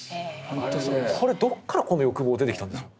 これどっからこの欲望が出てきたんでしょう？